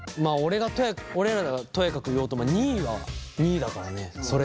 俺らがとやかく言おうとも２位は２位だからねそれが。